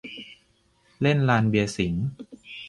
เล่นลานเบียร์สิงห์